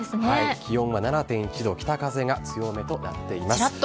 気温は７．１度、北風が強めとなっています。